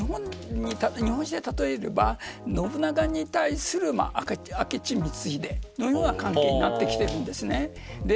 日本史で例えれば信長に対する明智光秀のような関係になってきています。